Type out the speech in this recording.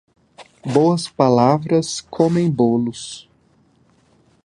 Boas palavras comem bolos.